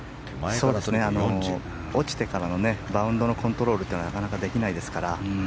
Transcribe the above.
落ちてからのバウンドのコントロールはなかなかできないですから。